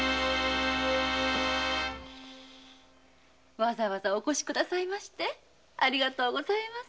わざわざお越し下さいましてありがとうございます。